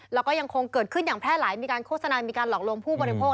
แล้วก็ยังคงเกิดขึ้นอย่างแพร่หลายมีการโฆษณามีการหลอกลวงผู้บริโภค